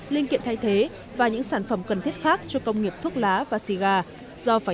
linh kiện thay thế và những sản phẩm cần thiết khác cho công nghiệp thuốc lá và xì gà do phải